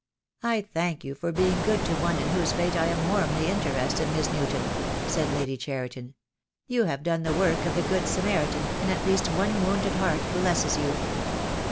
"I thank you for being good to one in whose fate I am warmly interested, Miss Newton," said Lady Cheriton. "You have done the work of the good Samaritan, and at least one wounded heart blesses you."